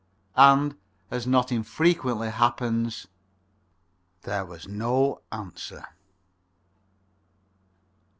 And, as not infrequently happens, there was no answer.